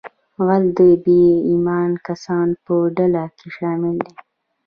غل د بې ایمانه کسانو په ډله کې شامل دی